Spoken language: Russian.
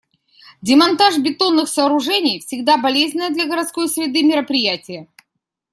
Демонтаж бетонных сооружений — всегда болезненное для городской среды мероприятие.